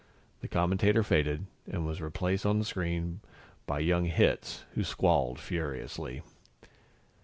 The commentator faded, and was replaced on the screen by young Hitz, who squalled furiously.